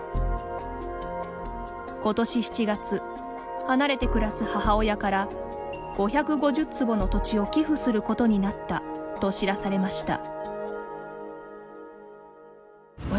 今年７月、離れて暮らす母親から「５５０坪の土地を寄付することになった」と知らされました。